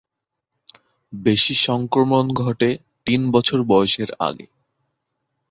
বেশি সংক্রমণ ঘটে তিন বছর বয়সের আগে।